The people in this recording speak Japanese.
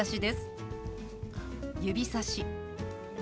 「指さし」。